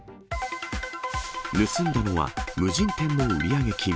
盗んだのは無人店の売上金。